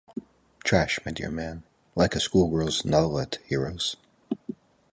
Trash, my dear man, like a schoolgirl's novelette heroes.